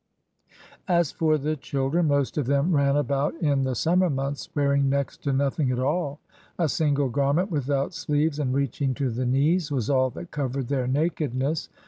As for the children, most of them ran about in the summer months wearing next to nothing at all. A single garment without sleeves and reaching to the knees was all that covered their nakedness.